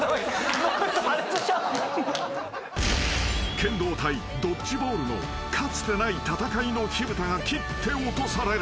［剣道対ドッジボールのかつてない戦いの火ぶたが切って落とされる］